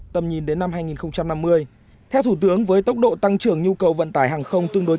tầm nhìn đến năm hai nghìn năm mươi theo thủ tướng với tốc độ tăng trưởng nhu cầu vận tải hàng không tương đối